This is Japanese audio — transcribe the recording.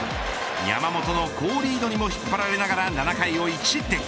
山本の好リードにも引っ張られながら７回を１失点。